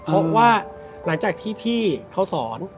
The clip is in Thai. เพราะว่าหลังจากที่พี่เขาสอน